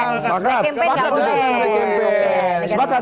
negatif kempen tidak boleh